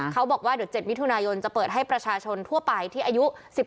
เขาบอกว่าเดี๋ยว๗มิถุนายนจะเปิดให้ประชาชนทั่วไปที่อายุ๑๓